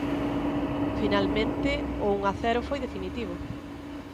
Finalmente o un a cero foi definitivo.